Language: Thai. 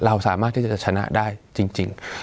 เราสามารถที่จะชนะได้จริง